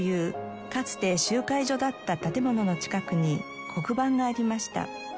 かつて集会所だった建物の近くに黒板がありました。